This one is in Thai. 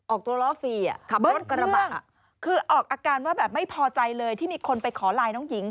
ออกตัวล้อฟรีขับรถกระบะคือออกอาการว่าแบบไม่พอใจเลยที่มีคนไปขอไลน์น้องหญิง